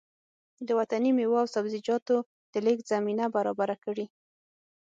د وطني مېوو او سبزيجاتو د لېږد زمينه برابره کړي